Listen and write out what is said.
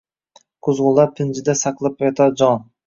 Quzg’unlar pinjida saqlab yotar jon.